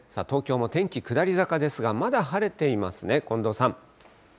東京も天気、下り坂ですが、まだ晴れていますね。